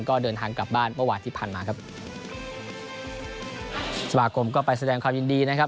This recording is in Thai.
ก็เดินทางกลับบ้านเมื่อวานที่ผ่านมาครับสมาคมก็ไปแสดงความยินดีนะครับ